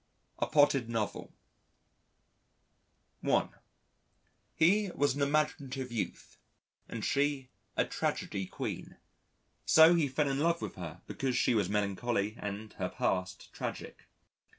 A Potted Novel (1) He was an imaginative youth, and she a tragedy queen. So he fell in love with her because she was melancholy and her past tragic.